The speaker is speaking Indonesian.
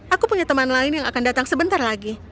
aku punya teman lain yang akan datang sebentar lagi